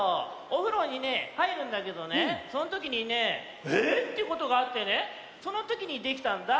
お風呂にねえはいるんだけどねそのときにねええっ⁉っていうことがあってねそのときにできたんだ。